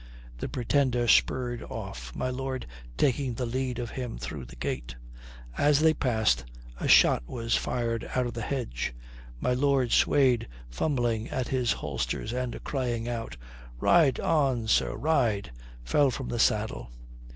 The Pretender spurred off, my lord taking the lead of him through the gate. As they passed, a shot was fired out of the hedge. My lord swayed, fumbling at his holsters, and crying out: "Ride on, sir, ride," fell from the saddle.